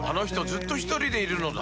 ずっとひとりでいるのだ